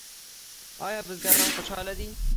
آیا بزګران خوشحاله دي؟